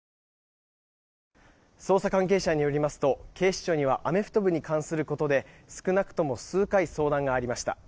捜査関係者によりますと警視庁にはアメフト部に関することで少なくとも数回相談がありました。